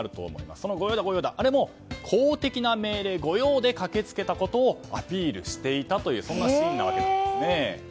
その御用だ、あれも公的な命令御用で駆け付けたことをアピールしていたというそんなシーンなわけです。